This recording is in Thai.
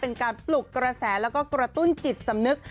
เป็นการปลุกกระแสแล้วก็กระตุ้นจิตสำนึก